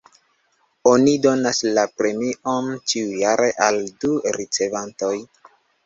Oni donas la premion ĉiujare al du ricevantoj.